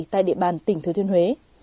tại địa bàn tỉnh thứ thứ